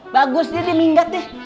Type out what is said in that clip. bagus dia di minggat deh